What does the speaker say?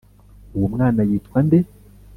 uwo mwana yitwa nde?